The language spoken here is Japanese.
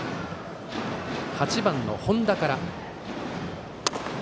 ８番の本田から。